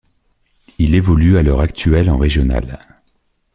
Il évolue à l’heure actuelle en régionale.